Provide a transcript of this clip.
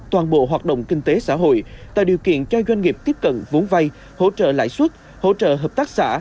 toàn bộ hoạt động kinh tế xã hội tạo điều kiện cho doanh nghiệp tiếp cận vốn vay hỗ trợ lãi suất hỗ trợ hợp tác xã